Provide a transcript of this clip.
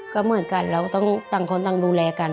ก็เหมือนกันเราก็ต้องต่างคนต่างดูแลกัน